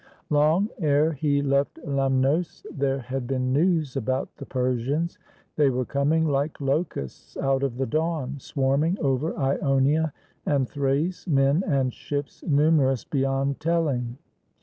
Long ere he left Lemnos there had been news about the Persians. They were coming like locusts out of the dawn, swarming over Ionia and Thrace, men and ships numerous beyond telling.